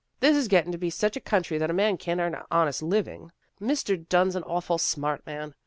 " This is gettin' to be such a country that a man can't earn an honest living," she said. " Mr. Dunn's an awful smart man.